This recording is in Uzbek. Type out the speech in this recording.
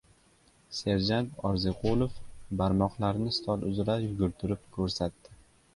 Serjant Orziqulov barmoqlarini stol uzra yugurtirib ko‘rsatdi.